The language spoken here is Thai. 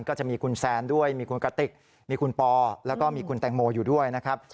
ก็จะมีคุณแซนด้วยมีคุณกติกมีคุณปอแล้วก็มีคุณแตงโมอยู่ด้วยนะครับ